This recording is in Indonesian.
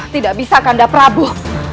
tidak bisa kanda prabu